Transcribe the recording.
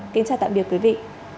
kính chào tạm biệt quý vị